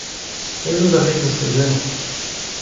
Gallout a rit ma skoazellañ.